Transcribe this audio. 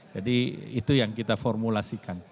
jadi itu yang kita formulasikan